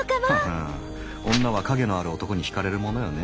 ハハン女は影のある男に惹かれるものよね。